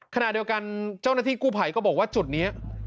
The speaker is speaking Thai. ขณะเดียวกันเจ้าหน้าที่กู้ภัยก็บอกว่าจุดนี้